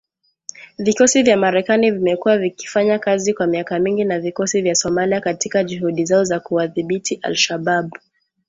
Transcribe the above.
Vikosi vya Marekani vimekuwa vikifanya kazi kwa miaka mingi na vikosi vya Somalia Katika juhudi zao za kuwadhibiti al-Shabaab.